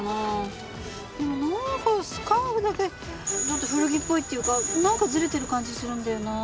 でもなんかスカーフだけちょっと古着っぽいっていうかなんかずれてる感じするんだよな。